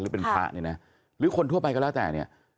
หรือเป็นพระเนี่ยนะหรือคนทั่วไปก็แล้วแต่เนี่ย